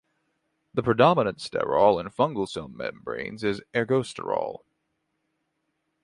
The predominant sterol in fungal cell membranes is ergosterol.